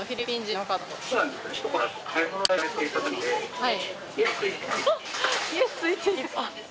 はい。